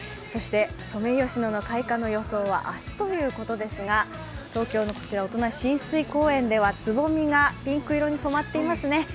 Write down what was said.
そしてソメイヨシノの開花の予想は明日ということですが東京のこちら音無親水公園では、つぼみがピンク色に染まっていますね。